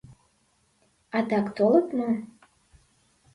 Адак толыт мо?